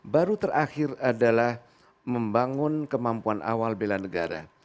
baru terakhir adalah membangun kemampuan awal bela negara